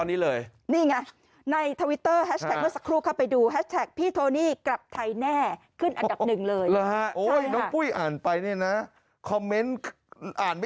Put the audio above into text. นี่ไงคือถ้ามันง่ายกลับมาตอนนี้เลย